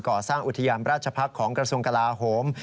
ก่อสร้างอุทยานราชพักษ์ของกระทรวงกลาโหม